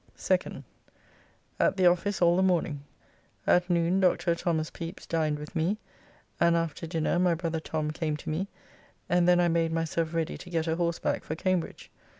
2d. At the office all the morning. At noon Dr. Thos. Pepys dined with me, and after dinner my brother Tom came to me and then I made myself ready to get a horseback for Cambridge.